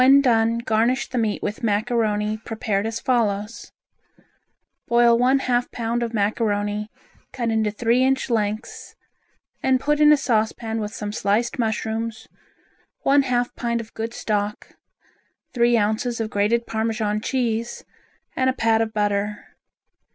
When done garnish the meat with macaroni prepared as follows: Boil one half pound of macaroni, cut into three inch lengths and put in a saucepan with some sliced mushrooms, one half pint of good stock, three ounces of grated Parmesan cheese, and a pat of butter.